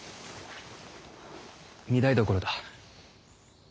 御台所だ。